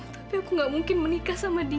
tapi aku gak mungkin menikah sama dia